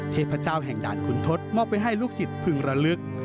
เทพเจ้าแห่งด่านขุนทศมอบไปให้ลูกศิษย์พึงระลึก